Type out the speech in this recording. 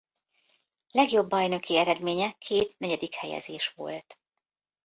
Legjobb bajnoki eredménye két negyedik helyezés volt.